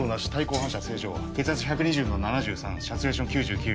反射正常血圧１２０の７３サチュレーション９９